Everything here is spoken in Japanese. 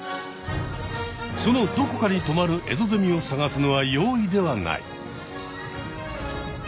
そのどこかにとまるエゾゼミを探すのは容易ではない。